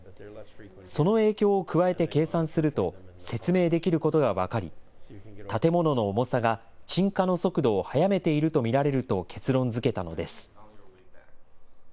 その影響を加えて計算すると説明できることが分かり、建物の重さが沈下の速度を速めていると見られると結論づけたのです。